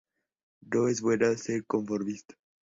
No es bueno ser conformista.